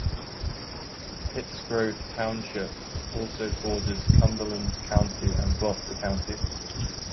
Pittsgrove Township also borders Cumberland County and Gloucester County.